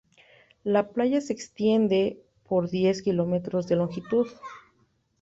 La playa se extiende por diez kilómetros de longitud.